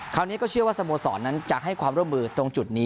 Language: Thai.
คราวนี้ก็เชื่อว่าสโมสรนั้นจะให้ความร่วมมือตรงจุดนี้